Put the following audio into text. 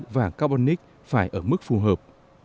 mảng carbonic phải ở mức phù hợp